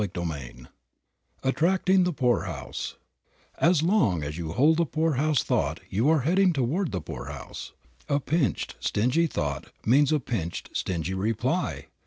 CHAPTER VI ATTRACTING THE POORHOUSE As long as you hold the poorhouse thought you are heading toward the poorhouse. A pinched, stingy thought means a pinched, stingy reply.